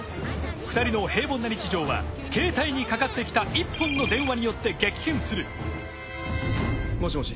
２人の平凡な日常はケータイにかかってきた１本の電話によって激変するもしもし？